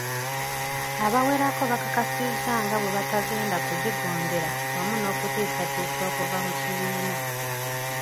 Abawerako bakakasizza nga bwebatagenda kugigondera wamu n'okutiisatiisa okuva mu kibiina.